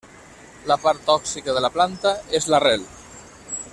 La part tòxica de la planta és l'arrel.